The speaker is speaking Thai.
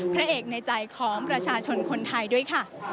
พระเอกในใจของประชาชนคนไทยด้วยค่ะ